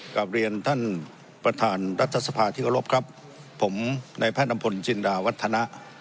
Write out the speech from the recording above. กลับเรียนท่านประธานรัฐสภาที่กระโลกครับผมในพ่านัมพลจินดาวัฒนา